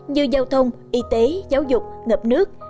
như giao thông y tế giáo dục ngập nước